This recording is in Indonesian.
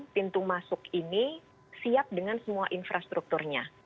pintu masuk ini siap dengan semua infrastrukturnya